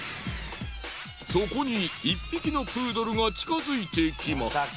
そこに１匹のプードルが近づいてきました。